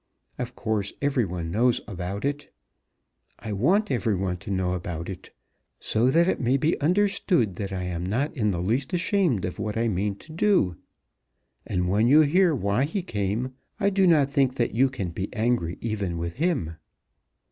Of course every one knows about it. I want every one to know about it, so that it may be understood that I am not in the least ashamed of what I mean to do. And when you hear why he came I do not think that you can be angry even with him.